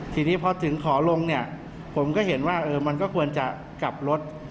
ทีนี้พอถึงขอลงเนี่ยผมก็เห็นว่ามันก็ควรจะกลับรถ